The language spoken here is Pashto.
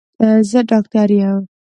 زه ډاکټر يم.